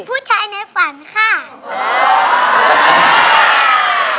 ผู้ชายในฝันค่ะ